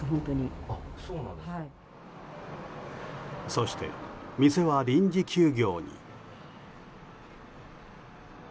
そして、店は臨時休業に。